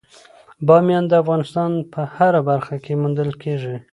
بامیان د افغانستان په هره برخه کې موندل کېږي.